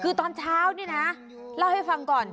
คือตอนเช้านี่นะเล่าให้ฟังก่อน